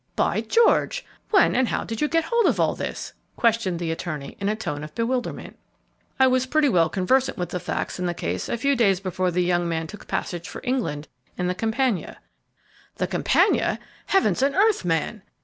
"By George! when and how did you get hold of all this?" questioned the attorney, in a tone of bewilderment. "I was pretty well conversant with the facts in the case a few days before the young man took passage for England, in the 'Campania.'" "The 'Campania!' Heavens and earth, man!